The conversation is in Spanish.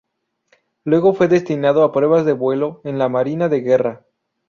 Luego fue destinado a pruebas de vuelo en la Marina de Guerra.